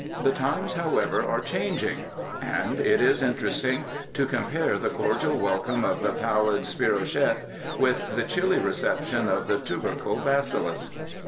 The times, however, are changing ; and it is interesting to compare the cordial welcome of the pallid spirochaete with the chilly reception of the tubercle bacillus.